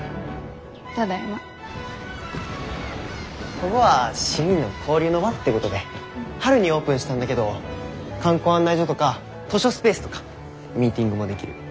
こごは市民の交流の場ってごどで春にオープンしたんだけど観光案内所とか図書スペースとか。ミーティングもできる。